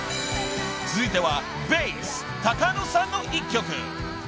［続いてはベース高野さんの一曲］